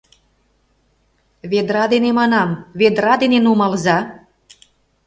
— Ведра дене, манам, ведра дене нумалза!..